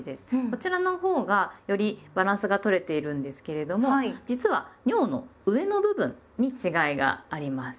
こちらのほうがよりバランスがとれているんですけれども実は「にょう」の上の部分に違いがあります。